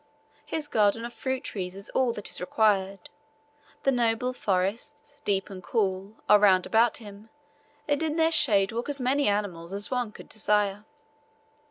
His garden of fruit trees is all that is required; the noble forests, deep and cool, are round about him, and in their shade walk as many animals as one can desire.